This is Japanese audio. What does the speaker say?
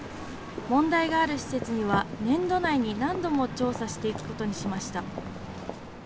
問題がある施設には、年度内に何度も調査していくことにしました。